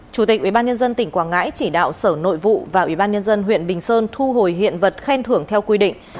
chủ tịch ubnd tỉnh quảng ngãi chỉ đạo sở nội vụ và ubnd huyện bình sơn thu hồi hiện vật khen thưởng theo quy định